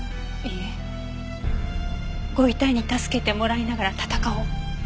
いいえご遺体に助けてもらいながら戦おう。